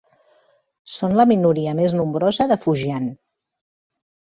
Són la minoria més nombrosa de Fujian.